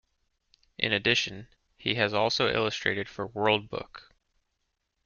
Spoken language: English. In addition, he has also illustrated for World Book.